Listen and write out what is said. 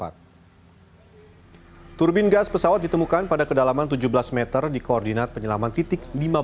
turbin gas pesawat ditemukan pada kedalaman tujuh belas meter di koordinat penyelaman titik lima belas